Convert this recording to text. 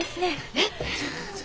えっ！